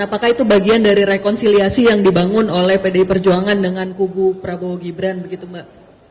apakah itu bagian dari rekonsiliasi yang dibangun oleh pdi perjuangan dengan kubu prabowo gibran begitu mbak